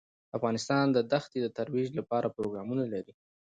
افغانستان د ښتې د ترویج لپاره پروګرامونه لري.